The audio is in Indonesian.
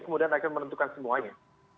kemudian akan menentukan semuanya